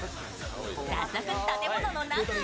早速、建物の中へ。